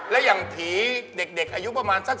และอย่างผีเด็กอายุประมาณสัก